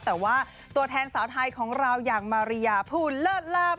แต่ว่าตัวแทนสาวไทยของเราอย่างมาริยาภูลเลิศลาบ